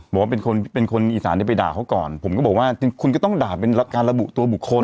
ผมก็บอกว่าเป็นคนอีสานได้ไปด่าเขาก่อนผมก็บอกว่าคุณก็ต้องด่าเป็นการระบุตัวบุคคล